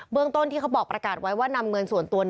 เรื่องต้นที่เขาบอกประกาศไว้ว่านำเงินส่วนตัว